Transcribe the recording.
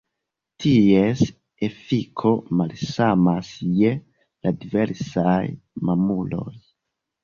Ties efiko malsamas je la diversaj mamuloj.